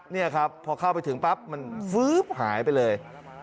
นี่ครับพอเข้าไปถึงปั๊บมันฟื๊บหายไปเลย